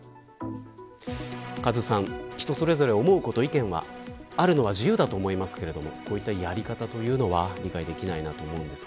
カズさん、人それぞれ思うこと意見があるのは自由だと思いますがこういったやり方というのは理解できないなと思いますが。